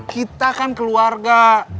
kita kan keluarga